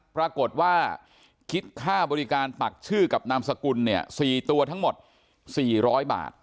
ปรากฏว่าคิดค่าบริการปักชื่อกับนามสกุลเนี่ย๔ตัวทั้งหมด๔๐๐บาท